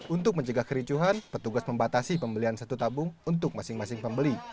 untuk mencegah kericuhan petugas membatasi pembelian satu tabung untuk masing masing pembeli